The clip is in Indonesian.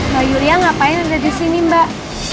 mbak yulia ngapain ada disini mbak